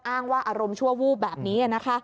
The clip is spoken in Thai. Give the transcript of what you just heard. อ้างว่าอารมณ์ชั่ววูบแบบนี้นะคะ